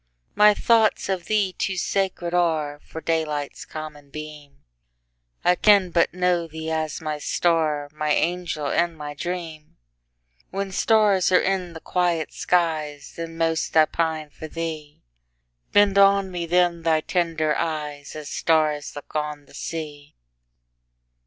My thoughts of thee too sacred areFor daylight's common beam:I can but know thee as my star, My angel and my dream; When stars are in the quiet skies, Then most I pine for thee; Bend on me then thy tender eyes, As stars look on the sea!